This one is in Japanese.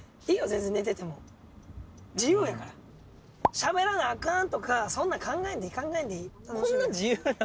しゃべらなあかんとかそんなん考えんでいい。